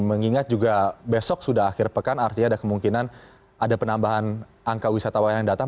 mengingat juga besok sudah akhir pekan artinya ada kemungkinan ada penambahan angka wisatawan yang datang